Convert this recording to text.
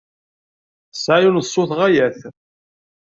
Tesɛa yiwen n ṣṣut ɣaya-t.